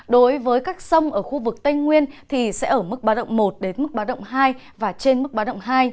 đối với các sông ở khu vực tây nguyên thì sẽ ở mức bá động một đến mức bá động hai và trên mức bá động hai